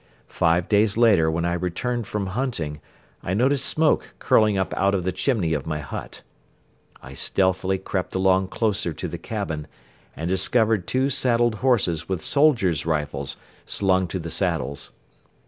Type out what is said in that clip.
Five days later when I returned from hunting I noticed smoke curling up out of the chimney of my hut. I stealthily crept along closer to the cabin and discovered two saddled horses with soldiers' rifles slung to the saddles.